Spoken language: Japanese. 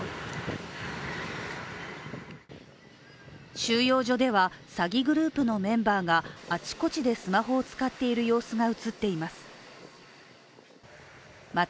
収容所では、詐欺グループのメンバーがあちこちでスマホを使っている様子が写っています。